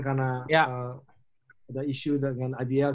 karena ada isu dengan ibl